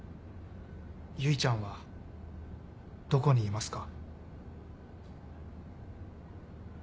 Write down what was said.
唯ちゃんはどこにいますか？